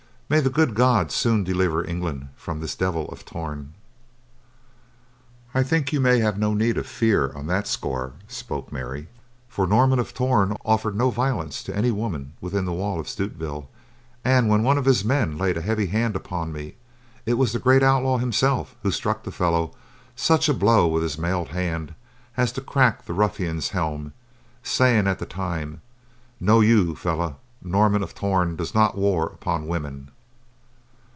May the good God soon deliver England from this Devil of Torn." "I think you may have no need of fear on that score," spoke Mary, "for Norman of Torn offered no violence to any woman within the wall of Stutevill, and when one of his men laid a heavy hand upon me, it was the great outlaw himself who struck the fellow such a blow with his mailed hand as to crack the ruffian's helm, saying at the time, 'Know you, fellow, Norman of Torn does not war upon women?